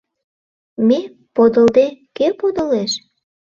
Ме подылде, кӧ подылеш?